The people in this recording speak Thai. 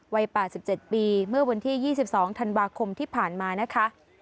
วัย๘๗ปีเมื่อวันที่๒๒ธันวาคมที่ผ่านมานะคะ